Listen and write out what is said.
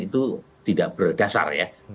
itu tidak berdasar